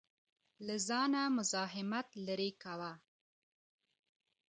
له ځانه مزاحمت لرې کاوه.